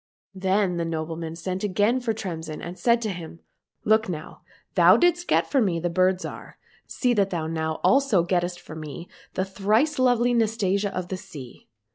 Then the nobleman again sent for Tremsin and said to him, " Look now ! thou didst get for me the Bird Zhar, see that thou now also gettest for me the thrice lovely Nastasia of the sea."